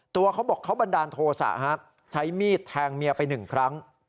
เขาบอกเขาบันดาลโทษะใช้มีดแทงเมียไปหนึ่งครั้ง